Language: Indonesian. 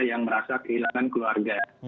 yang merasa kehilangan keluarga